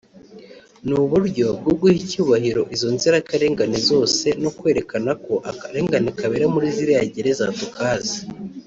ni uburyo bwo guha icyubahiro izo nzirakarengane zose no kwerekana ko akarengane kabera muri ziriya gereza tukazi